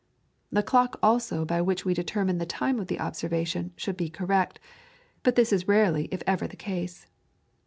The clock also by which we determine the time of the observation should be correct, but this is rarely if ever the case.